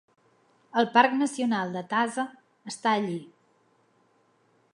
El parc nacional de Taza està allí.